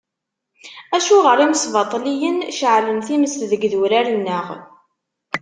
Acuɣer imsbaṭliyen ceεlen times deg yidurar-nneɣ!